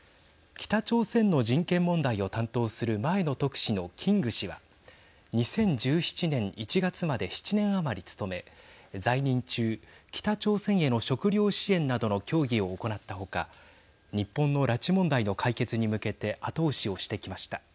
北朝鮮の人権問題を担当する前の特使のキング氏は２０１７年１月まで７年余り務め在任中、北朝鮮への食料支援などの協議を行った他日本の拉致問題の解決に向けて後押しをしてきました。